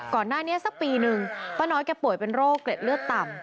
ก่อนหน้านี้สักปีนึงป้าน้อยแก่ป่วยเป็นโรคเกล็ดเลือดต่ำ